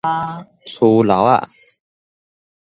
趨樓仔